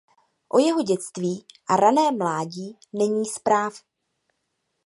O jeho dětství a raném mládí není zpráv.